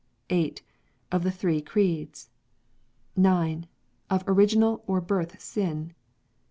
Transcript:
8. Of the Three Creeds. 0. Of Original or Birth sin.